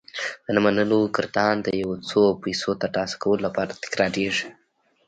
د نه منلو ګردان د يو څو پيسو ترلاسه کولو لپاره تکرارېږي.